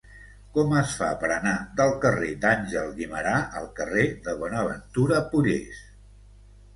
Com es fa per anar del carrer d'Àngel Guimerà al carrer de Bonaventura Pollés?